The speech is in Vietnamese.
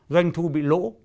doanh thu bị lỗ